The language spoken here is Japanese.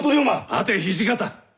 待て土方！